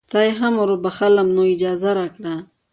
تا یې هم وروبخښلم نو اجازه راکړه.